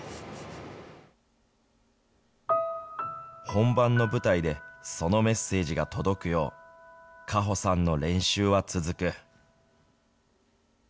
本番の舞台でそのメッセージが届くよう、果歩さんの練習は続く。